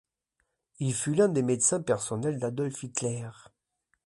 Il fut l'un des médecins personnels d'Adolf Hitler.